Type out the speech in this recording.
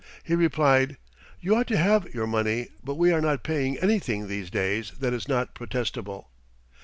He replied: "You ought to have your money, but we are not paying anything these days that is not protestable."